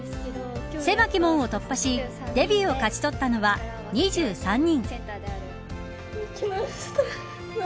狭き門を突破しデビューを勝ち取ったのは２３人。